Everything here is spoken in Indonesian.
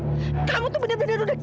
ido itu cuman lindungi camilla doang